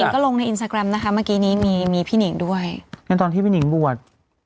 ตอนที่นิ่งบัวน์